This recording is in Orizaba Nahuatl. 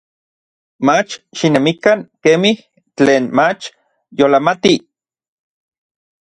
Mach xinemikan kemij tlen mach yolamatij.